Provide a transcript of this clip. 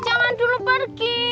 jangan dulu pergi